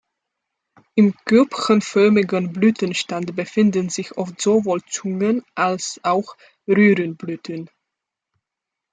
Im körbchenförmigen Blütenstand befinden sich oft sowohl Zungen- als auch Röhrenblüten.